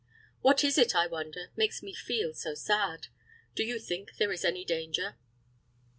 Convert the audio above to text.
What is it, I wonder, makes me feel so sad? Do you think there is any danger?"